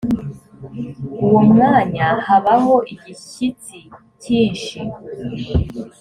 uwo mwanya habaho igishyitsi cyinshi